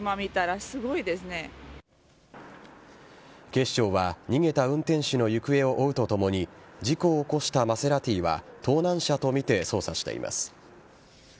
警視庁は逃げた運転手の行方を追うとともに事故を起こしたマセラティは盗難車とみて捜査しています。